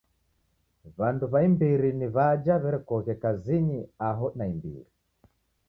W'andu w'a imbiri ni w'aja w'erekoghe kazinyi aho naimbiri.